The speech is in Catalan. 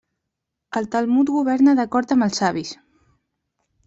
El Talmud governa d'acord amb els savis.